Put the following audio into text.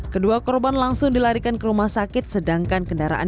kedua korban langsung dilarikan ke rumah sakit sedangkan kendaraan